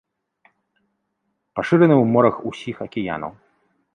Пашыраны ў морах усіх акіянаў.